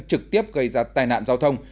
trực tiếp gây ra tai nạn giao thông